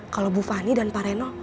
kalau bu fani dan pak reno